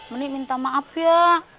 menik minta maaf ya